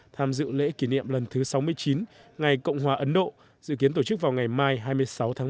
tham dự lễ kỷ niệm lần thứ sáu mươi chín ngày cộng hòa ấn độ dự kiến tổ chức vào ngày mai hai mươi sáu tháng bốn